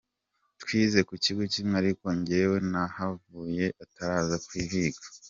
Twize ku kigo kimwe ariko njyewe nahavuye ataraza kuhiga.